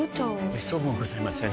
めっそうもございません。